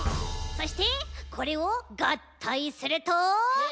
そしてこれをがったいすると。